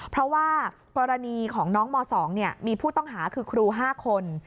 เพราะว่ากรณีของน้องม๒มีผู้ต้องหาคือครู๕คน